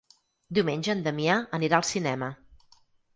Diumenge en Damià anirà al cinema.